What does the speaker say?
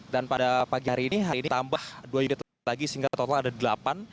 dan pada pagi hari ini hari ini tambah dua unit lagi sehingga total ada delapan